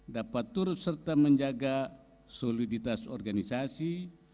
dapat turut serta menjaga soliditas organisasi